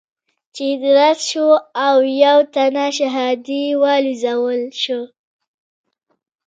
چې درز شو او يو تن شهادي والوزول شو.